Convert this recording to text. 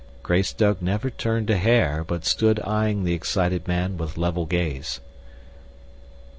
Greystoke never turned a hair, but stood eying the excited man with level gaze.